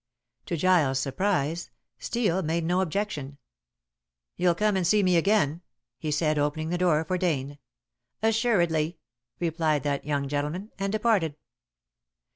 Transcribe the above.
To Giles' surprise, Steel made no objection. "You'll come and see me again?" he said, opening the door for Dane. "Assuredly," replied that young gentleman, and departed.